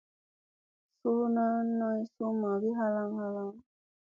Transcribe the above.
Suuna noy summa ki halaŋ halaŋ.